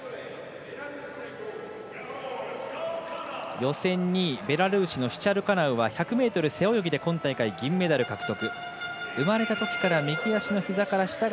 予選２位、ベラルーシのシチャルカナウ１００ｍ背泳ぎで今大会、銀メダルを獲得。